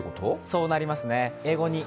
そうなりますね、英語に。